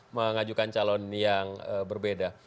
mengajukan calon yang berbeda